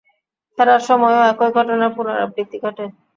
ফেরার সময়ও একই ঘটনার পুনরাবৃত্তি ঘটে।